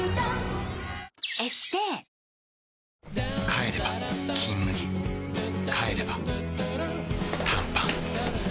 帰れば「金麦」帰れば短パン